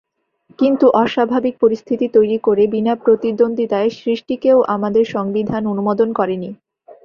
কিন্তু অস্বাভাবিক পরিস্থিতি তৈরি করে বিনা প্রতিদ্বন্দ্বিতা সৃষ্টিকেও আমাদের সংবিধান অনুমোদন করেনি।